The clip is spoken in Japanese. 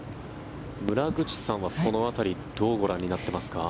村口さんはその辺りどうご覧になっていますか？